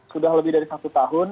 sudah lebih dari satu tahun